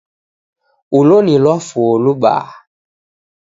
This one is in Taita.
Ulo ni lwafuo lubaa.